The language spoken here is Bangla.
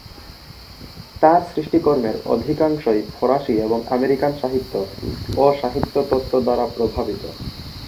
তার সৃষ্টিকর্মের অধিকাংশই ফরাসী এবং আমেরিকান সাহিত্য ও সাহিত্য-তত্ত্ব দ্বারা প্রভাবিত।